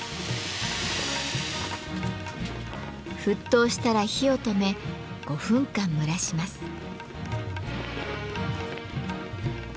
沸騰したら火を止め５分間蒸らします。